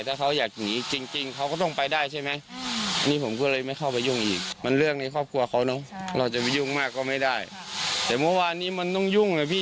ถ้าเขาอยากหนีจริงเขาก็ต้องไปได้ใช่มั้ย